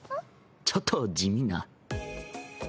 ちょっと地味な。